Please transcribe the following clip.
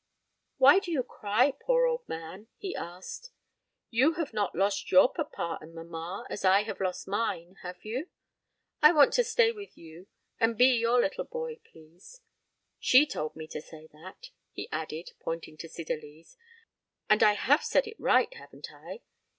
"Why do you cry, poor old man?" he asked. "You have not lost your papa and mamma, as I have lost mine, have you? I want to stay with you and be your little boy, please. She told me to say that," he added, pointing to Cydalise. "And I have said it right, haven't I?"